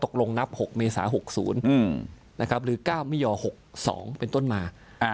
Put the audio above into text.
ตกลงนับ๖เมษา๖๐หรือ๙เมย๖๒เป็นต้นมา